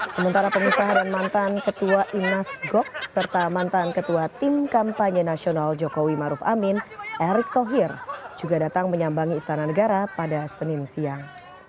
sementara pengusaha dan mantan ketua inas gok serta mantan ketua tim kampanye nasional jokowi maruf amin erick thohir juga datang menyambangi istana negara pada senin siang